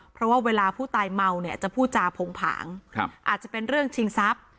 เพราะว่าเวลาผู้ตายเมาเนี่ยจะพูดจาโผงผางอาจจะเป็นเรื่องชิงทรัพย์